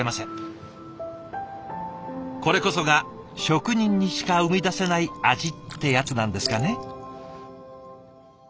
これこそが職人にしか生み出せない味ってやつなんですかね。